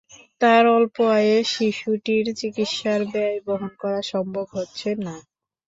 তাঁর অল্প আয়ে শিশুটির চিকিৎসার ব্যয় বহন করা সম্ভব হচ্ছে না।